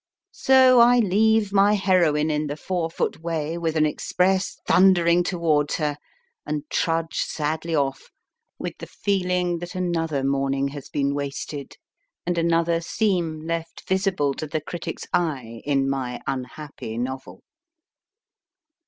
So I leave my heroine in the four foot way with an express thundering towards her, and trudge sadly off, with the feeling that another morning has been wasted, and another seam left visible to the critic s eye in my unhappy novel.